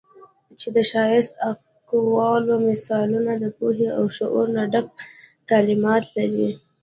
چې د ښائسته اقوالو، مثالونو د پوهې او شعور نه ډک تعليمات لري